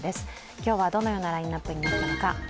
今日はどのようなラインナップになったのか。